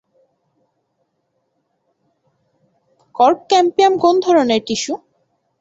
Cork cambium কোন ধরনের tissue?